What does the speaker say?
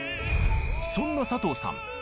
そんな佐藤さん